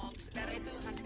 eh ngasih duit aja lo